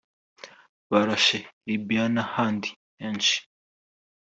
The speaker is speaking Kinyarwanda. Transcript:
barashe Libye n’ahandi henshi